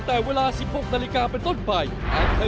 เดี๋ยวไลน์คุยกันนอกรอบโทรคุยกันก็ได้